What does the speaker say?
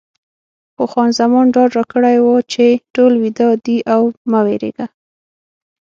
خو خان زمان ډاډ راکړی و چې ټول ویده دي او مه وېرېږه.